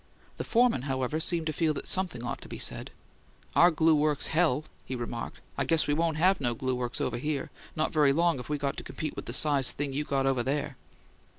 The foreman, however, seemed to feel that something ought to be said. "Our glue works, hell!" he remarked. "I guess we won't HAVE no glue works over here not very long, if we got to compete with the sized thing you got over there!"